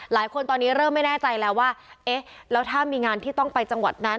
หลายคนตอนนี้เริ่มไม่แน่ใจแล้วว่าเอ๊ะแล้วถ้ามีงานที่ต้องไปจังหวัดนั้น